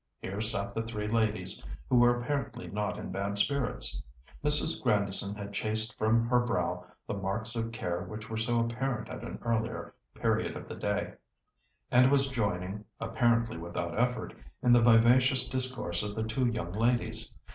Here sat the three ladies, who were apparently not in bad spirits. Mrs. Grandison had chased from her brow the marks of care which were so apparent at an earlier period of the day, and was joining, apparently without effort, in the vivacious discourse of the two young ladies.